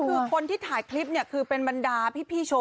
กลุ่มน้ำเบิร์ดเข้ามาร้านแล้ว